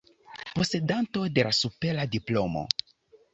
Posedanto de la supera diplomo.